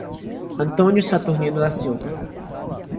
Antônio Saturnino da Silva